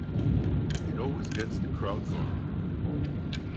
It always gets the crowd going.